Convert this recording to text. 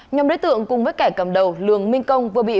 nhóm đối tượng cùng với kẻ cầm đầu lường minh công vừa bị